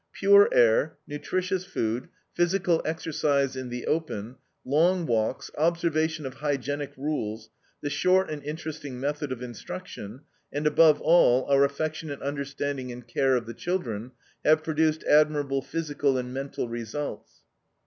Pure air, nutritious food, physical exercise in the open, long walks, observation of hygienic rules, the short and interesting method of instruction, and, above all, our affectionate understanding and care of the children, have produced admirable physical and mental results.